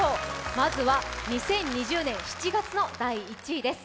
まずは２０２０年７月の第１位です。